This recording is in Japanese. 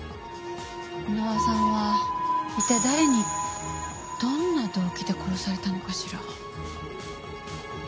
箕輪さんは一体誰にどんな動機で殺されたのかしら？